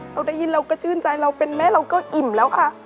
เราได้ยินเราก็ชื่นใจเราเป็นแม่เราก็อิ่มแล้วค่ะ